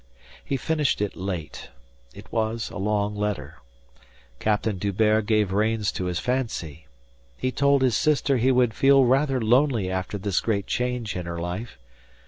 He finished it late. It was a long letter. Captain D'Hubert gave reins to his fancy. He told his sister he would feel rather lonely after this great change in her life.